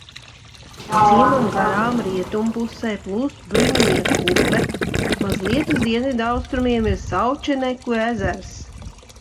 Ciemam garām rietumpusē plūst Bruņinieku upe, mazliet uz dienvidaustrumiem ir Saučenku ezers.